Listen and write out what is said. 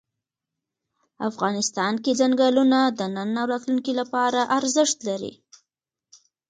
افغانستان کې ځنګلونه د نن او راتلونکي لپاره ارزښت لري.